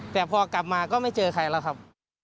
แต่พอกลับมาก็ไม่เจอใครแล้วครับ